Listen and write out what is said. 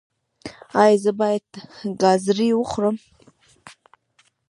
ایا زه باید ګازرې وخورم؟